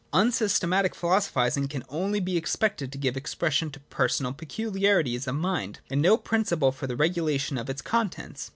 Unsystematic philosophising can only be expected to give expression to personal peculiarities of mind, and has no principle for the regulation of its contents.